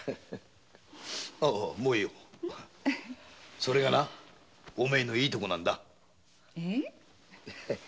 それがなお前のいいとこなんだ。